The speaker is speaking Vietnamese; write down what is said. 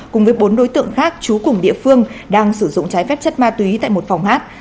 cùng với bốn đối tượng khác chú cùng địa phương đang sử dụng trái phép chất ma túy tại một phòng hát